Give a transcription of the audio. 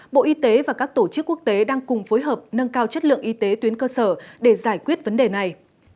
bộ y tế và các tổ chức quốc tế đang cùng phối hợp nâng cao chất lượng y tế tuyến cơ sở để giải quyết vấn đề này